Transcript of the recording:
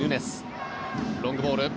ロングボール。